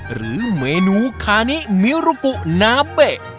หรือเมนูค่านิมิรุบนาเบ